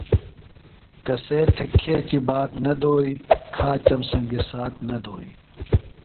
کسے تھےۡ کھیچیۡ بات نہ دوئی, کھاچم سنگیۡ ساتھ نہ دوئی